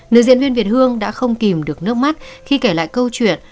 nữ diễn viên việt hương đã không kìm được nước mắt khi kể lại câu chuyện